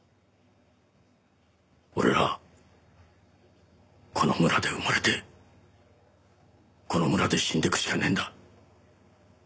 俺らはこの村で生まれてこの村で死んでいくしかねえんだ。